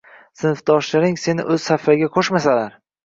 sinfdoshlaring seni o‘z saflariga qo‘shmasalar